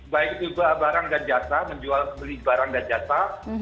baik itu barang dan jasa menjual beli barang dan jasa